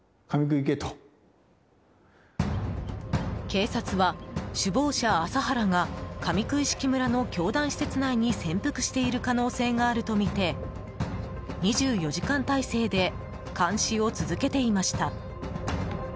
警察は、首謀者・麻原が上九一色村の教団施設内に潜伏している可能性があるとみて２４時間態勢で監視を続けていました。